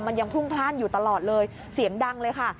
มันยังพรุ่งพลาดอยู่ตลอดเลยเสียงดังเลยค่ะ